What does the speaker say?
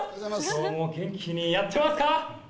今日も元気にやってますか？